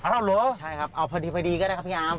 อ้าวเหรอใช่ครับพอดีก็ได้ครับพี่ยาม